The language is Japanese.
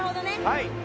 はい